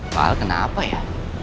pak al kenapa ya